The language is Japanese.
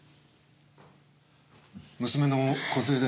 娘の梢です。